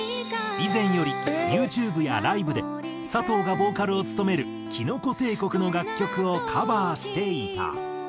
以前よりＹｏｕＴｕｂｅやライブで佐藤がボーカルを務めるきのこ帝国の楽曲をカバーしていた。